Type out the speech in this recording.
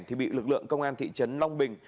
thì bị lực lượng công an thị trấn long bình